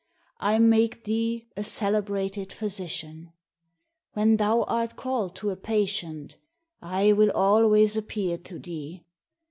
I make thee a celebrated physician. When thou art called to a patient, I will always appear to thee.